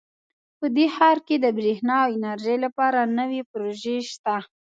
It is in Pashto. په دې ښار کې د بریښنا او انرژۍ لپاره نوي پروژې شته